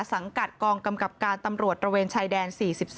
สังกัดกองกำกับการตำรวจตระเวนชายแดน๔๒